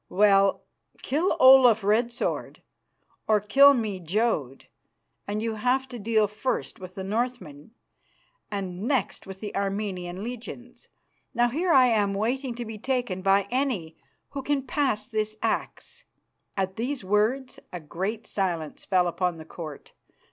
Well, kill Olaf Red Sword, or kill me, Jodd, and you have to deal first with the Northmen and next with the Armenian legions. Now here I am waiting to be taken by any who can pass this axe." At these words a great silence fell upon the Court.